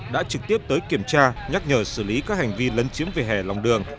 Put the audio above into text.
đã trực tiếp tới kiểm tra nhắc nhở xử lý các hành vi lấn chiếm về hè lòng đường